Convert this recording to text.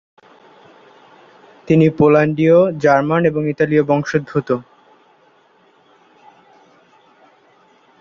তিনি পোল্যান্ডীয়, জার্মান এবং ইতালীয় বংশোদ্ভূত।